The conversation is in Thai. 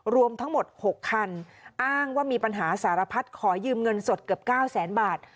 รวมทั้งหมด๖คันอ้างว่ามีปัญหาสารพัดขอยืมเงินสดเกือบ๙แสนบาท